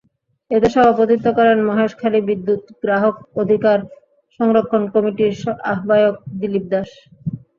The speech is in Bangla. এতে সভাপতিত্ব করেন মহেশখালী বিদ্যুৎ গ্রাহক অধিকার সংরক্ষণ কমিটির আহ্বায়ক দিলীপ দাশ।